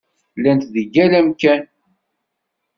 Llant deg yal amkan.